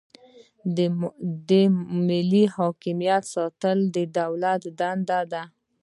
د ملي حاکمیت ساتل د دولت دنده ده.